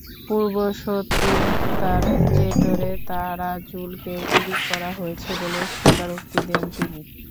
পূর্বশত্রুতার জের ধরে তারাজুলকে গুলি করা হয়েছে বলে স্বীকারোক্তি দেন তিনি।